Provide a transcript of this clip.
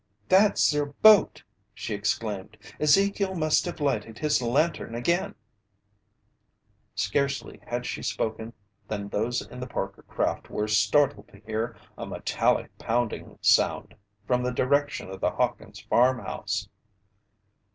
"That's their boat!" she exclaimed. "Ezekiel must have lighted his lantern again!" Scarcely had she spoken than those in the Parker craft were startled to hear a metallic pounding sound from the direction of the Hawkins' farmhouse.